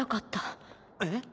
えっ？